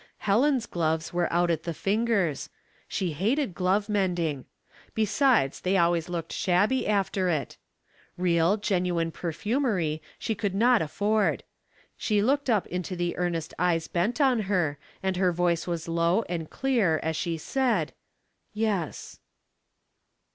Helen's gloves were out at the fingers. She hated glove mending ; besides, they always looked shabby after it. Real, genuine perfumery she could not afford. She looked up into the earnest eyes bent on her, and her voice was low and clear as she said, —'' Yes."